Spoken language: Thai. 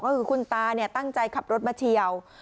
ก็คือคุณตาตั้งใจขับรถมาเฉียว